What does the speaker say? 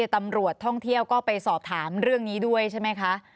ตำรวจท่องเที่ยวก็ไปสอบถามเรื่องนี้ด้วยใช่ไหมคะ